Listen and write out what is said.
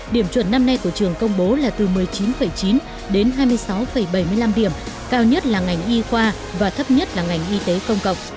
điểm chuẩn năm nay của trường công bố là từ một mươi chín chín đến hai mươi sáu bảy mươi năm điểm cao nhất là ngành y khoa và thấp nhất là ngành y tế công cộng